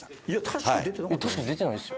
確か出てないですよ。